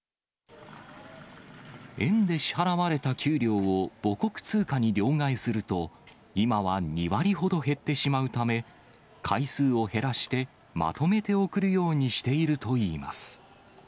円で支払われた給料を母国通貨に両替すると、今は２割ほど減ってしまうため、回数を減らして、まとめて送るようにしているといいます。